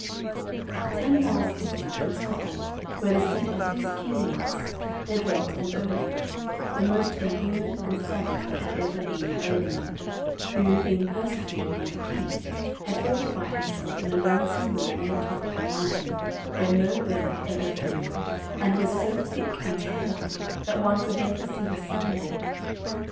Ten miles distant from Scotland, where the seat of this King was, there dwelt an ogre, the most inhuman and savage that had ever been in Ogreland, who, being persecuted by the King, had fortified himself in a lonesome wood on the top of a mountain, where no bird ever flew, and was so thick and tangled that one could never see the sun there.